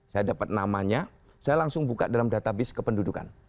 saya dapat namanya saya langsung buka dalam database kependudukan